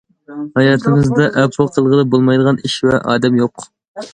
ھاياتىمىزدا ئەپۇ قىلغىلى بولمايدىغان ئىش ۋە ئادەم يوق.